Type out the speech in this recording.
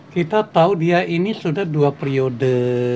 kita tahu dia ini sudah dua periode